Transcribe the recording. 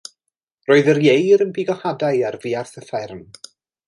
Roedd yr ieir yn pigo hadau ar fuarth y fferm.